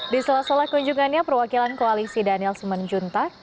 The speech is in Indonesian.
di salah salah kunjungannya perwakilan koalisi daniel semenjuntak